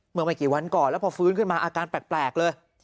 เมื่อไม่กี่วันก่อนแล้วพอฟื้นขึ้นมาอาการแปลกเลย